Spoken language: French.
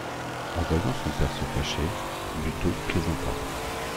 En voyant son père se fâcher, Buteau plaisanta.